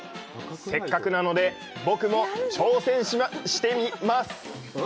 せっかくなので僕も挑戦してみます！